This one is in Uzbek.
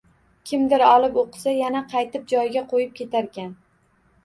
Kimdir olib oʻqisa, yana qaytib joyiga qoʻyib ketarkan.